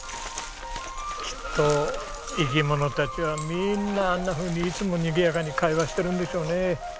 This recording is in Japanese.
きっと生き物たちはみんなあんなふうにいつもにぎやかに会話してるんでしょうね。